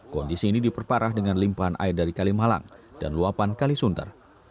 kondisi ini diperparah dengan limpahan air dari kalimalang dan luapan kalisunter